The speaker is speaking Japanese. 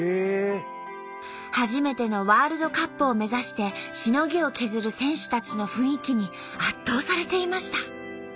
初めてのワールドカップを目指してしのぎを削る選手たちの雰囲気に圧倒されていました。